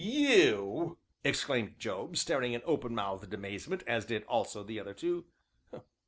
"You!" exclaimed Job, staring in open mouthed amazement, as did also the other two.